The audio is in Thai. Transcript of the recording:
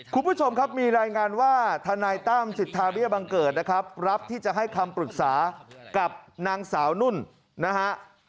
คุณผู้ชมครับมีรายงานว่าทนายตั้มสิทธาเบี้ยบังเกิดนะครับรับที่จะให้คำปรึกษากับนางสาวนุ่นนะฮะ